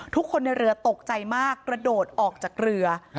ทุกคนในเรือตกใจมากกระโดดออกจากเรือ